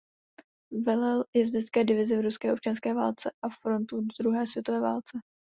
Velel jezdecké divizi v ruské občanské válce a frontu v druhé světové válce.